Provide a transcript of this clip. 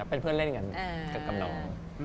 เป็นเพื่อนเล่นกันกับน้อง